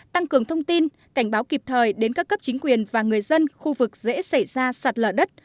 tăng cường thông tin cảnh báo kịp thời đến các cấp chính quyền và người dân khu vực dễ xảy ra sạt lở đất